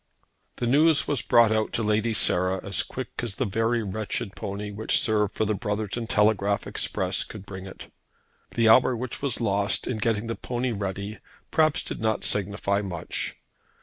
The news was brought out to Lady Sarah as quick as the very wretched pony which served for the Brotherton telegraph express could bring it. The hour which was lost in getting the pony ready, perhaps, did not signify much.